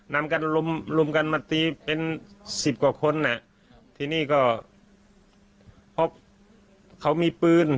นำรุมกันมาตีเป็น๑๐กว่าคนที่นี่ก็พบเขามีปืน